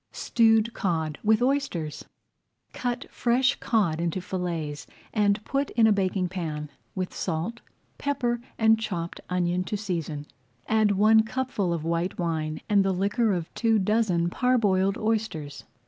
STEWED COD WITH OYSTERS Cut fresh cod into fillets, and put in a baking pan, [Page 107] with salt, pepper, and chopped onion to season. Add one cupful of white wine and the liquor of two dozen parboiled oysters.